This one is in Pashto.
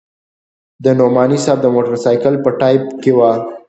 د نعماني صاحب د موټرسایکل په ټایپ کې وه.